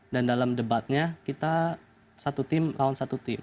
dan dalam debatnya kita satu tim lawan satu tim